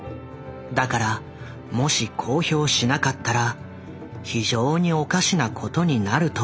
だからもし公表しなかったら非常におかしなことになるとは思った。